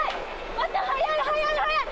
待って、速い、速い、速い！